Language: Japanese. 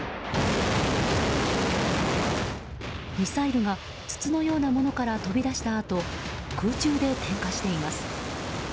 ミサイルが筒のようなものから飛び出したあと空中で点火しています。